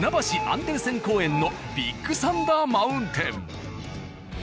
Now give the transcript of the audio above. アンデルセン公園のビッグサンダー・マウンテン。